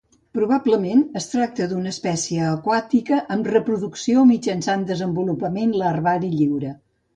Probablement es tracta d'una espècie aquàtica amb reproducció mitjançant desenvolupament larvari lliure.